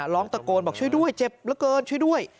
ร้องตะโกนบอกช่วยด้วยเจ็บเหลือเกินช่วยด้วย